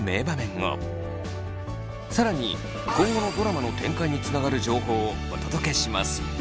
更に今後のドラマの展開につながる情報をお届けします。